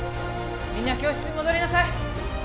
みんな教室に戻りなさい